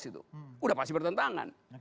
sudah pasti bertentangan